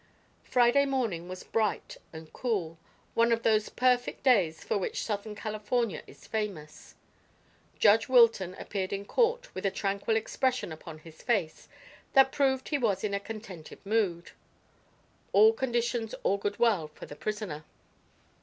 Friday morning was bright and cool one of those perfect days for which Southern California is famous. Judge Wilton appeared in court with a tranquil expression upon his face that proved he was in a contented mood. All conditions augured well for the prisoner.